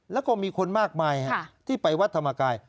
แล้วก็มีคนมากมายที่ไปวัดธรรมกาย